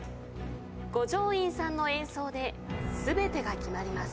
五条院さんの演奏で全てが決まります。